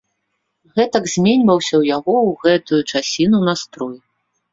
Гэтак зменьваўся ў яго ў гэтую часіну настрой.